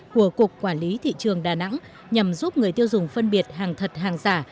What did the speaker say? của cục quản lý thị trường đà nẵng nhằm giúp người tiêu dùng phân biệt hàng thật hàng giả